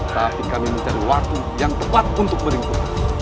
tapi kami mencari waktu yang tepat untuk meringkus